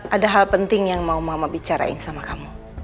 ada hal penting yang mau mama bicarain sama kamu